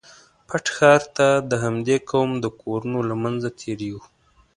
پټ ښار ته د همدې قوم د کورونو له منځه تېرېږو.